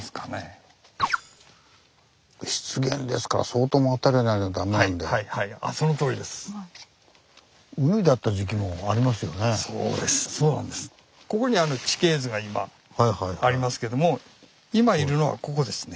ここに地形図が今ありますけども今いるのはここですね。